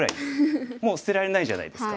もう捨てられないじゃないですか。